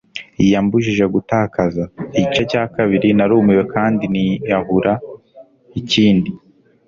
yambujije gutakaza. igice cya kabiri, narumiwe kandi niyahura, ikindi